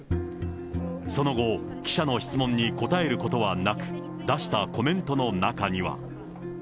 その後、記者の質問に答えることはなく、出したコメントの中には。